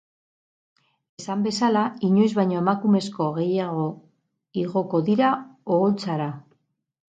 Esan bezala, inoiz baino emakumezko gehiago igoko dira oholtzara.